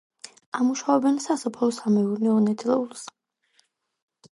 ამუშავებენ სასოფლო-სამეურნეო ნედლეულს.